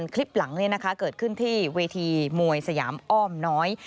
คลิปหลังนี้นะคะเกิดขึ้นที่เวทีมวยสยามอ้อมน้อย